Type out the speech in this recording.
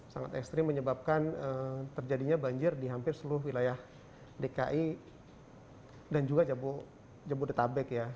sangat ekstrim menyebabkan terjadinya banjir di hampir seluruh wilayah dki dan juga jabodetabek ya